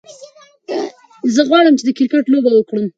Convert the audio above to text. زه غواړم چې د کرکت لوبه وکړم.